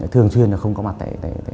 thường xuyên không có mặt thể